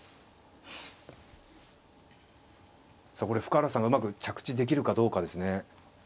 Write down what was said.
さあこれ深浦さんがうまく着地できるかどうかですね。